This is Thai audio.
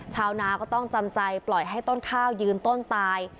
ชาวนาก็ต้องจำใจปล่อยให้ต้นข้าวยืนต้นตาย